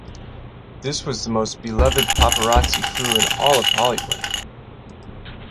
This was the most beloved paparazzi crew in all of Hollywood.